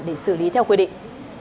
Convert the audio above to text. để xử lý theo quy định